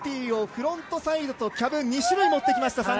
１０８０をフロントサイドとキャブ２種類持ってきました。